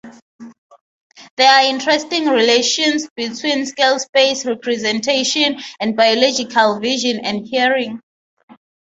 There are interesting relations between scale-space representation and biological vision and hearing.